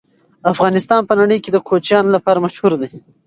افغانستان په نړۍ کې د کوچیانو لپاره مشهور دی.